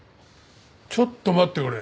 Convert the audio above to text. ちょっと待ってくれ。